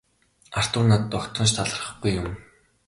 Артур надад огтхон ч талархахгүй юм.